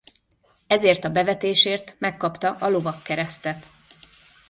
Ezért a bevetésért megkapta a Lovagkeresztet.